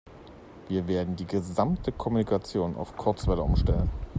Wir werden die gesamte Kommunikation auf Kurzwelle umstellen.